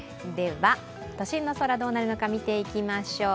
都心の空どうなるのか見ていきましょう。